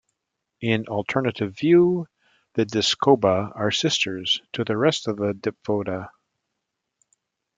In alternative view, the Discoba are sister to the rest of the Diphoda.